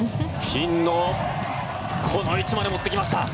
ピンのこの位置まで持ってきました。